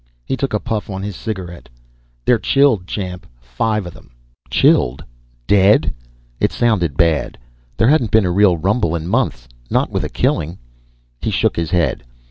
He took a puff on his cigaret. "They're chilled, Champ. Five of them." "Chilled? Dead?" It sounded bad; there hadn't been a real rumble in months, not with a killing. He shook his head.